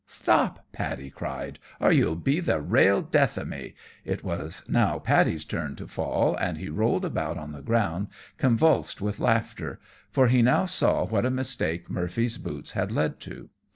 "Stop," Paddy cried, "or yer'll be the rale death o' me." It was now Paddy's turn to fall, and he rolled about on the ground convulsed with laughter, for he now saw what a mistake Murphy's boots had led to.